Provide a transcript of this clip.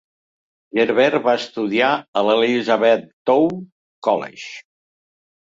Garber va estudiar a l'Elizabethtown College.